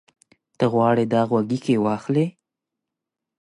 ته غواړې دا غوږيکې واخلې؟